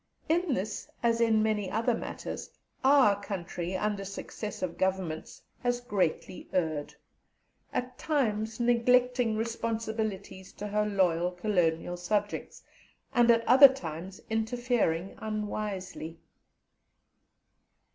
In this, as in many other matters, our country, under successive Governments, has greatly erred; at times neglecting responsibilities to her loyal Colonial subjects, and at other times interfering unwisely.